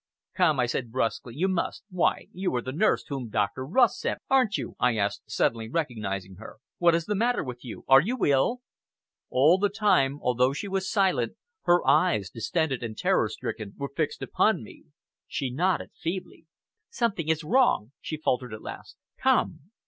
"Come," I said brusquely, "you must why you are the nurse whom Dr. Rust sent, aren't you?" I asked, suddenly recognizing her. "What is the matter with you? Are you ill?" All the time, although she was silent, her eyes, distended and terror stricken, were fixed upon me. She nodded feebly. "Something is wrong!" she faltered at last. "Come!"